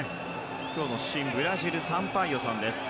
今日の主審、ブラジルのサンパイオさんです。